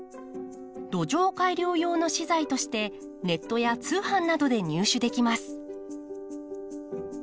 土壌改良用の資材としてネットや通販などで入手できます。